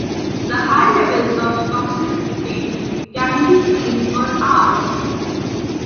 The high levels of toxicity can be seen for hours.